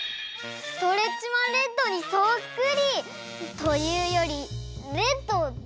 ストレッチマンレッドにそっくり！というよりレッドだよね？